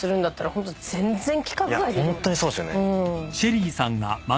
ホントにそうですよね。